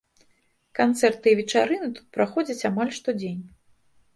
Канцэрты і вечарыны тут праходзяць амаль штодзень.